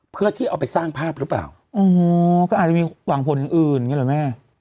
เพื่อที่เอาไปสร้างภาพหรือเปล่าอ๋อก็อาจจะมีหวังผลอย่างอื่นอย่างนี้เหรอแม่